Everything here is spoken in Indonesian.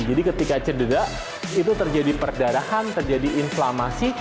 jadi ketika cedera itu terjadi perdarahan terjadi inflamasi